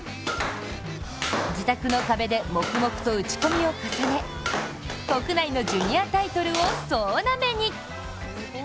自宅の壁で黙々と打ち込みを重ね国内のジュニアタイトルを総なめに。